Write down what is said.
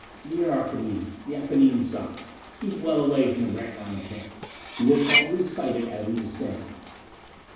"Near Archimedes. The Apennine side. Keep well away from the Grantline camp. We will probably sight it as we descend."